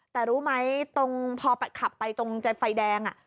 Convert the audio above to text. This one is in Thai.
แต่รู้ไหมตรงพอขับไปตรงใจไฟแดง